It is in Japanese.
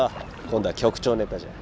今度は局長ネタじゃ。